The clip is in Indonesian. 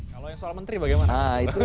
kalau yang soal menteri bagaimana